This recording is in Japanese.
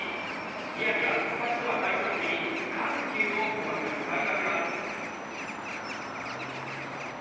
宮城は佐々木とは対照的に緩急をうまく使い分けます。